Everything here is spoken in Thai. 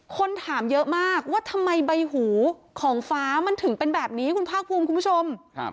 คนถามเยอะมากว่าทำไมใบหูของฟ้ามันถึงเป็นแบบนี้คุณภาคภูมิคุณผู้ชม